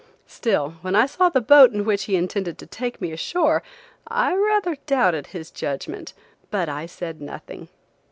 Still, when I saw the boat in which he intended to take me ashore, I rather doubted his judgment, but I said nothing.